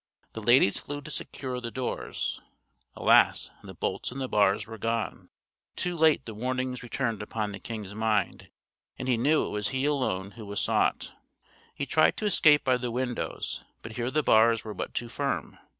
The ladies flew to secure the doors. Alas! the bolts and bars were gone! Too late the warnings returned upon the king's mind, and he knew it was he alone who was sought. He tried to escape by the windows, but here the bars were but too firm.